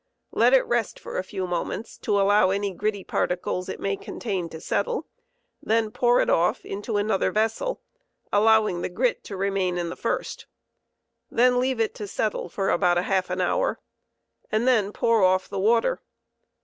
Let it rest for a few moments to allow any gritty particles it may contain to settle; then pour it off into another vessel, allowing the grit to remain in the first; then leave it to settle for about half an hour, and then pour off the water.